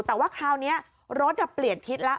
แต่ว่าคราวนี้รถเปลี่ยนทิศแล้ว